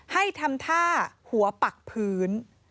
ให้ทำท่าหัวปักพื้น